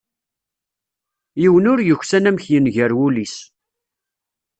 Yiwen ur yuksan amek yenger wul-is.